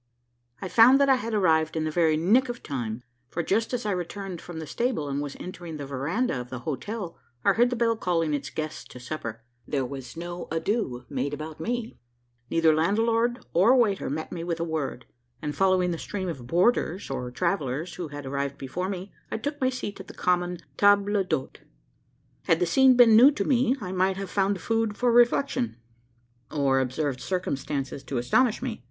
I found that I had arrived in the very "nick of time:" for just as I returned from the stable, and was entering the verandah of the hotel, I heard the bell calling its guests to supper. There was no ado made about me: neither landlord or waiter met me with a word; and following the stream of "boarders" or travellers who had arrived before me, I took my seat at the common table d'hote. Had the scene been new to me, I might have found food for reflection, or observed circumstances to astonish me.